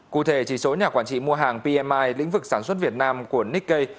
cụ thể chỉ số nhà quản trị mua hàng pmi lĩnh vực sản xuất việt nam của nikkei